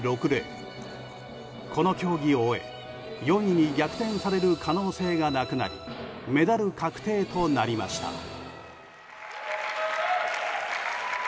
この競技を終え、４位に逆転される可能性がなくなりメダル確定となりました。